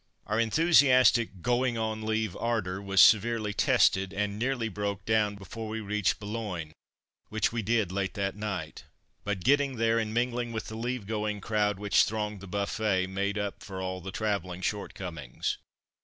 Our enthusiastic "going on leave" ardour was severely tested, and nearly broke down before we reached Boulogne, which we did late that night. But getting there, and mingling with the leave going crowd which thronged the buffet, made up for all travelling shortcomings.